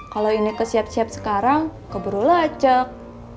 kalo ini ke siap siap sekarang keburu lecek